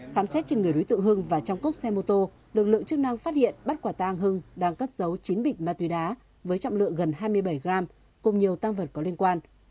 khám xét trên người đối tượng hưng và trong cốc xe mô tô lực lượng chức năng phát hiện bắt quả tang hưng đang cất giấu chín bịch ma túy đá với trọng lượng gần hai mươi bảy gram cùng nhiều tăng vật có liên quan